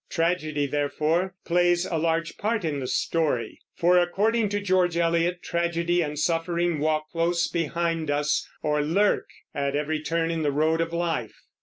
Tragedy, therefore, plays a large part in the story; for, according to George Eliot, tragedy and suffering walk close behind us, or lurk at every turn in the road of life.